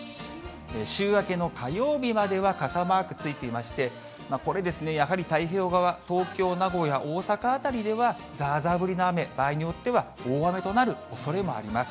週明けの火曜日までは傘マークついていまして、これですね、やはり太平洋側、東京、名古屋、大阪辺りでは、ざーざー降りの雨、場合によっては大雨となるおそれもあります。